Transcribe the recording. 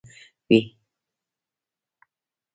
د افغانستان د اقتصادي پرمختګ لپاره پکار ده چې رواني روغتیا وي.